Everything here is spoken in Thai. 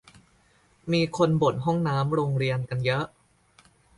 มีคนบ่นห้องน้ำโรงเรียนกันเยอะ